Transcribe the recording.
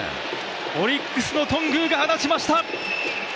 オリックスの頓宮が放ちました。